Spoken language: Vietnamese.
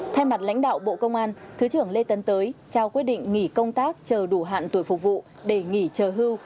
thay mặt lãnh đạo bộ công an thứ trưởng lê tấn tới trao quyết định nghỉ công tác chờ đủ hạn tuổi phục vụ để nghỉ chờ hưu